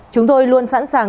chúng tôi luôn sẵn sàng